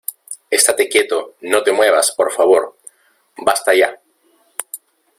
¡ estate quieto, no te muevas , por favor! ¡ basta ya !